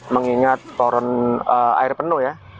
mengingat turun air penuh ya